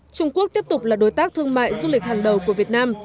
trung quốc tiếp tục là đối tác thương mại du lịch hàng đầu của việt nam